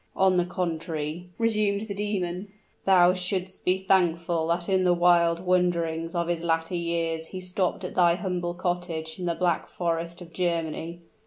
"On the contrary," resumed the demon; "thou should'st be thankful that in the wild wanderings of his latter years he stopped at thy humble cottage in the Black Forest of Germany.